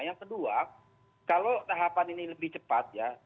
yang kedua kalau tahapan ini lebih cepat ya